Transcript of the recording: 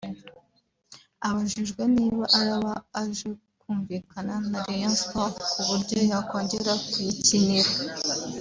Abajijwe niba araba aje kumvikana na Rayon Sports ku buryo yakongera kuyikinira